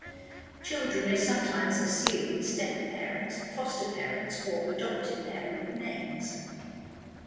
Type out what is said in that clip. Children may sometimes assume stepparent, foster parent, or adoptive parent names.